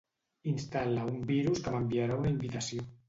Instal·la un virus que m'enviarà una invitació.